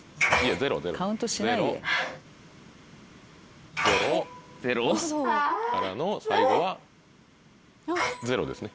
ゼロ。からの最後はゼロですね。